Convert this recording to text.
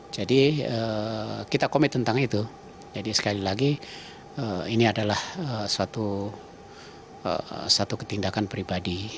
jadi kita komit tentang itu jadi sekali lagi ini adalah suatu ketindakan pribadi